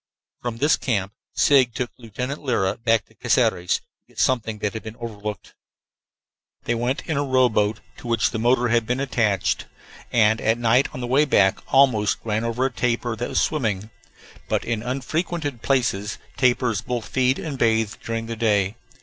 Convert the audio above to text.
From this camp Sigg took Lieutenant Lyra back to Caceres to get something that had been overlooked. They went in a rowboat to which the motor had been attached, and at night on the way back almost ran over a tapir that was swimming. But in unfrequented places tapirs both feed and bathe during the day.